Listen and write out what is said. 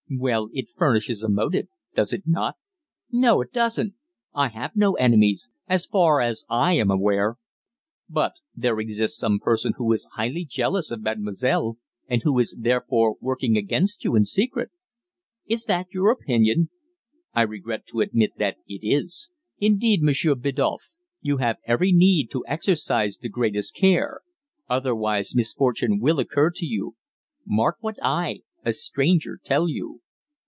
"Well, it furnishes a motive, does it not?" "No, it doesn't. I have no enemies as far as I am aware." "But there exists some person who is highly jealous of mademoiselle, and who is therefore working against you in secret." "Is that your opinion?" "I regret to admit that it is. Indeed, Monsieur Biddulph, you have every need to exercise the greatest care. Otherwise misfortune will occur to you. Mark what I a stranger tell you."